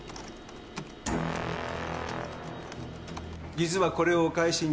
実はこれをお返しに。